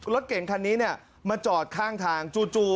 รถเก่งคันนี้เนี่ยมาจอดข้างทางจู่